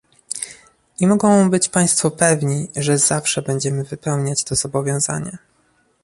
I mogą być Państwo pewni, że zawsze będziemy wypełniać to zobowiązanie